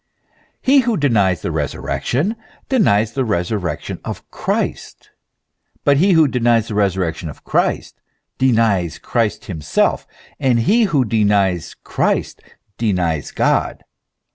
He who denies the resurrection denies the resurrec tion of Christ, but he who denies the resurrection of Christ denies Christ himself, and he who denies Christ denies God.